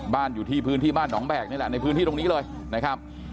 อยู่ที่พื้นที่บ้านหนองแบกนี่แหละในพื้นที่ตรงนี้เลยนะครับ